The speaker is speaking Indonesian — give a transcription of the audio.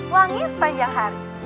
wangi sepanjang hari